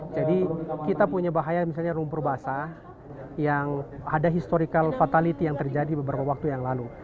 jadi kita punya bahaya misalnya rumpur basah yang ada historical fatality yang terjadi beberapa waktu yang lalu